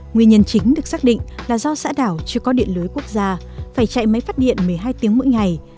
nguyên nhân chính được xác định là do xã đảo chưa có điện lưới quốc gia phải chạy máy phát điện một mươi hai tiếng mỗi ngày